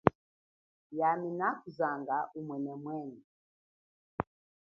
Yami nakuzanga umwenemwene.